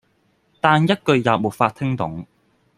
但一句也沒法聽懂